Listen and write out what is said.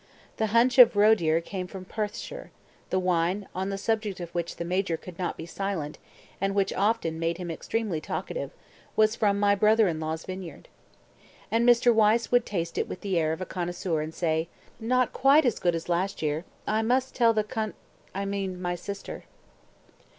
The haunch of roe deer came from Perthshire; the wine, on the subject of which the Major could not be silent, and which often made him extremely talkative, was from "my brother in law's vineyard". And Mr. Wyse would taste it with the air of a connoisseur and say: "Not quite as good as last year: I must tell the Cont I mean my sister."